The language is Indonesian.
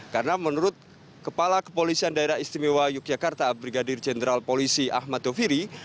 karena menurut kepala kepolisian daerah istimewa yogyakarta brigadir jenderal polisi ahmad doviri